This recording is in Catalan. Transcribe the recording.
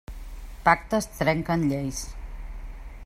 Pactes trenquen lleis.